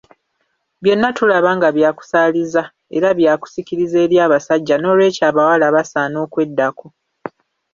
Byonna tulaba nga byakusaaliza era byakusikiriza eri abasajja nolwekyo abawala basaana okweddako